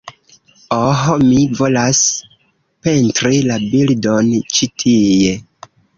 Oh, mi volas pentri la bildon ĉi tie